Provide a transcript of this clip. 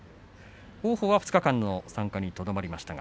王鵬、２日間の参加にとどめました。